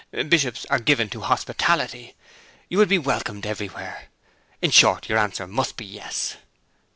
Bishops are given to hospitality; you would be welcomed everywhere. In short, your answer must be yes.'